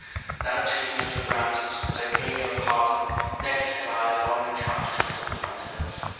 Now taking it for granted, that I gain your pardon, next have I a long account to settle with myself.